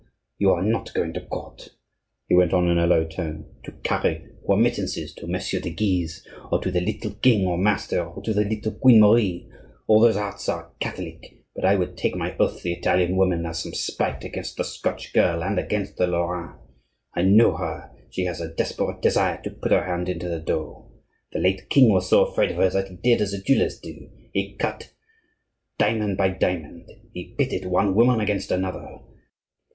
You are not going to court," he went on in a low tone, "to carry remittances to Messieurs de Guise or to the little king our master, or to the little Queen Marie. All those hearts are Catholic; but I would take my oath the Italian woman has some spite against the Scotch girl and against the Lorrains. I know her. She has a desperate desire to put her hand into the dough. The late king was so afraid of her that he did as the jewellers do, he cut diamond by diamond, he pitted one woman against another.